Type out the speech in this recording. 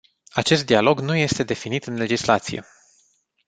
Acest dialog nu este definit în legislație.